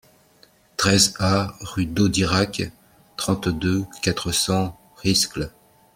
treize A rue Daudirac, trente-deux, quatre cents, Riscle